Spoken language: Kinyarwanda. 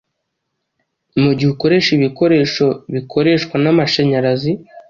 Mu gihe ukoresha ibikoresho bikoreshwa n’amashanyarazi